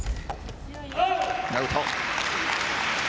アウト。